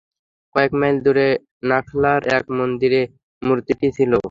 কয়েক মাইল দূরে নাখলার এক মন্দিরে এ মূর্তিটি ছিল।